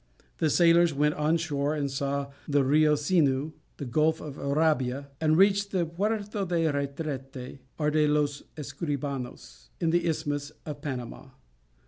The sailors went on shore and saw the Rio Sinu, the Gulf of Urabia, and reached the Puerto del Retrete or de los Escribanos, in the Isthmus of Panama.